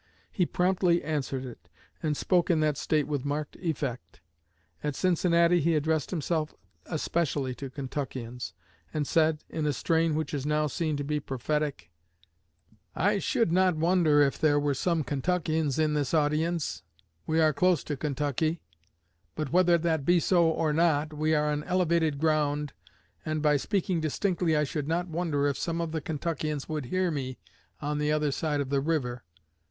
He promptly answered it, and spoke in that State with marked effect. At Cincinnati he addressed himself especially to Kentuckians, and said, in a strain which is now seen to be prophetic: I should not wonder if there were some Kentuckians in this audience; we are close to Kentucky; but whether that be so or not, we are on elevated ground, and by speaking distinctly I should not wonder if some of the Kentuckians would hear me on the other side of the river.